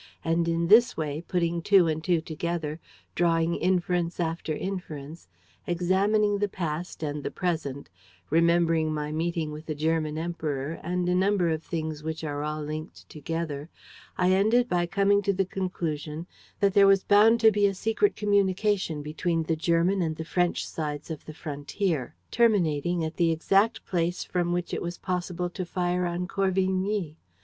And in this way, putting two and two together, drawing inference after inference, examining the past and the present, remembering my meeting with the German Emperor and a number of things which are all linked together, I ended by coming to the conclusion that there was bound to be a secret communication between the German and the French sides of the frontier, terminating at the exact place from which it was possible to fire on Corvigny.